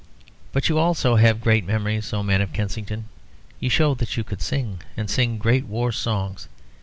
But you also have great memories, O men of Kensington! You showed that you could sing, and sing great war songs.